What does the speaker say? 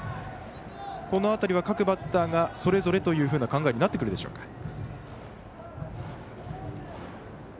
この辺りは各バッターがそれぞれという考えになってくるでしょうか。